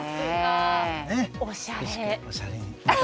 おしゃれ。